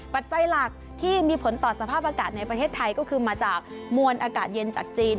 ปัจจัยหลักที่มีผลต่อสภาพอากาศในประเทศไทยก็คือมาจากมวลอากาศเย็นจากจีน